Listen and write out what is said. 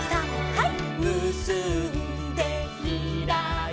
はい。